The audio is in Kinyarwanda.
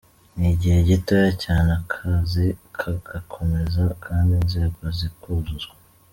Ni igihe gitoya cyane akazi kagakomeza kandi inzego zikuzuzwa.